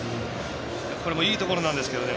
これもいいところなんですけどね